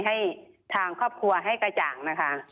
ให้ทางครอบครัวให้กระจ่างนะคะ